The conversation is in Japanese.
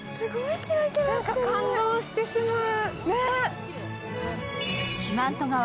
何か感動してしまう。